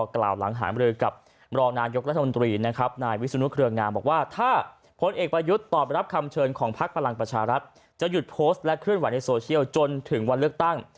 กล่าวหลังหาไม่เลยกับรอบนานยกรัฐมนตรีนะครับนายวิสุนุทธิ์เครืองามบอกว่าเท่าโพสต์และเคลื่อนหวัดในโซเชียลจนถึงวันเลือกตั้ง